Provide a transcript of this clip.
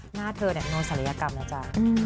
หน้าเธอเนี่ยโน่นศัลยกรรมนะจ๊ะ